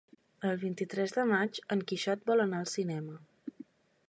El vint-i-tres de maig en Quixot vol anar al cinema.